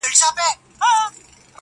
اوس په ساندو كيسې وزي له كابله؛